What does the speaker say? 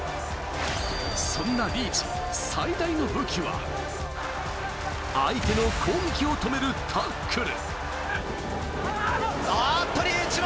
そんなリーチ、最大の武器は相手の攻撃を止めるタックル。